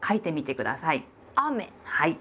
はい。